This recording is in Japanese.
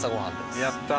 やった！